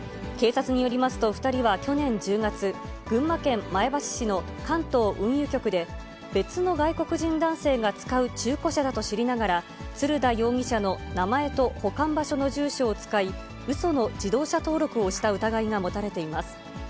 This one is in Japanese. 警察によりますと、２人は去年１０月、群馬県前橋市の関東運輸局で、別の外国人男性が使う中古車だと知りながら、ツルダ容疑者の名前と保管場所の住所を使い、うその自動車登録をした疑いが持たれています。